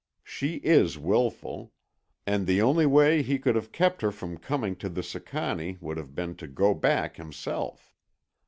She is wilful. And the only way he could have kept her from coming to the Sicannie would have been to go back himself.